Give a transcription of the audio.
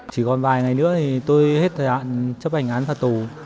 chỉ còn vài ngày nữa thì tôi hết thời hạn chấp hành án phạt tù